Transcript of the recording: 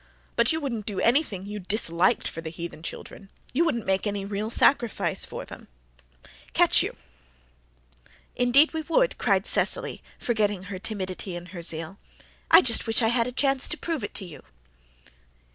But you wouldn't do anything you disliked for the heathen children you wouldn't make any real sacrifice for them catch you!" "Indeed we would," cried Cecily, forgetting her timidity in her zeal. "I just wish I had a chance to prove it to you."